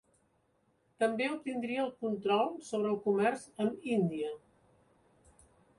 També obtindria el control sobre el comerç amb Índia.